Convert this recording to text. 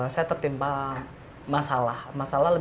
saya tertimpa masalah